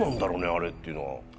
あれっていうのは。